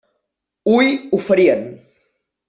Hui ho farien.